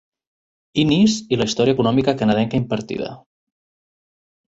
Innis i la història econòmica canadenca impartida.